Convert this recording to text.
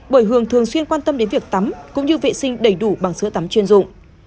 bởi hường thường xuyên quan tâm đến việc tắm cũng như vệ sinh đầy đủ bằng sữa tắm chuyên dụng